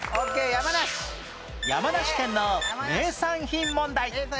山梨県の名産品問題